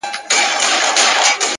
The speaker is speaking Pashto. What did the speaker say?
د خاموش کار اغېز ژور وي,